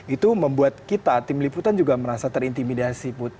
itu membuat kita tim liputan juga merasa terintimidasi putri